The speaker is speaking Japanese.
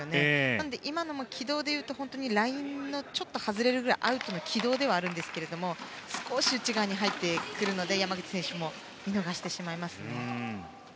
なので今も軌道でいうと本当にラインをちょっと外れるくらいアウトの軌道ではあるんですが少し内側に入ってくるので山口選手も見逃してしまいますね。